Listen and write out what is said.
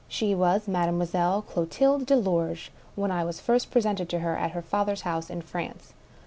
She was Mademoiselle Clo tilde Belorge — when I was first presented to her at her father's house in France.